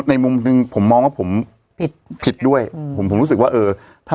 ในมุมหนึ่งผมมองว่าผมผิดผิดด้วยอืมผมผมรู้สึกว่าเออถ้า